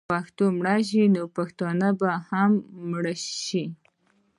که پښتو مړه شي نو پښتون به هم مړ شي.